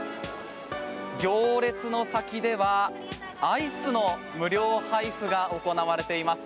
行列の先ではアイスの無料配布が行われています。